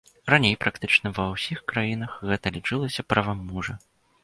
Раней практычна ва ўсіх краінах гэта лічылася правам мужа.